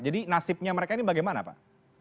jadi nasibnya mereka ini bagaimana pak